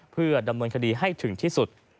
เพื่อดำเนินคดีให้ถึงที่สุด